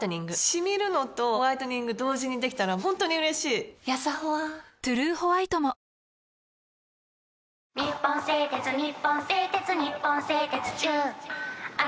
シミるのとホワイトニング同時にできたら本当に嬉しいやさホワ「トゥルーホワイト」も「日本製鉄中！」